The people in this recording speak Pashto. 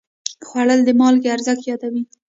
خوړل د مالګې ارزښت یادوي